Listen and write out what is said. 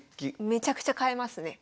めちゃくちゃ変えますね。